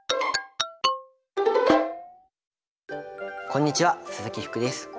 こんにちは鈴木福です。